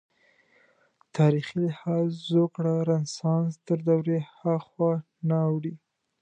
تاریخي لحاظ زوکړه رنسانس تر دورې هاخوا نه اوړي.